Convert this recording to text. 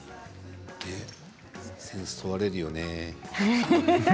センス、問われるよね。